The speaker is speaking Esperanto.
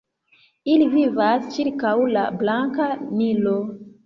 Ili vivas ĉirkaŭ la Blanka Nilo.